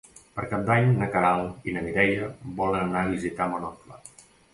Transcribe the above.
Per Cap d'Any na Queralt i na Mireia volen anar a visitar mon oncle.